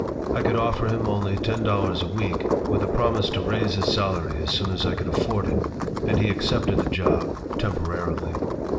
I could offer him only ten dollars a week, with a promise to raise his salary as soon as I could afford it, and he accepted the job "temporarily."